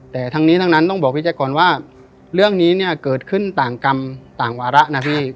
แต่ทั้งนี้ทั้งนั้นต้องบอกพี่แจ๊คก่อนว่าเรื่องนี้เนี่ยเกิดขึ้นต่างกรรมต่างวาระนะพี่